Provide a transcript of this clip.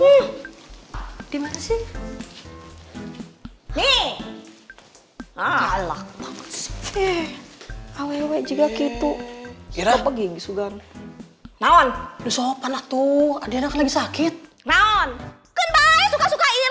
mana sih kamar tamu